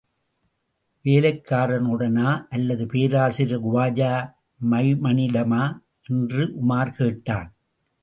வேலைக்காரனுடனா அல்லது பேராசிரியர் குவாஜா மைமனிடமா என்று உமார் கேட்டான்.